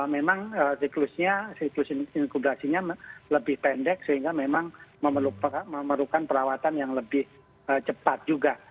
memang siklusnya siklus inkubasinya lebih pendek sehingga memang memerlukan perawatan yang lebih cepat juga